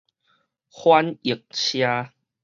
翻譯社